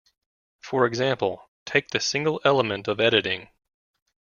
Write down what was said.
For example, take the single element of editing.